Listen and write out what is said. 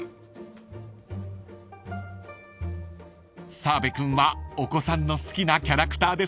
［澤部君はお子さんの好きなキャラクターですか？］